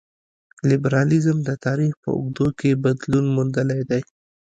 لېبرالیزم د تاریخ په اوږدو کې بدلون موندلی دی.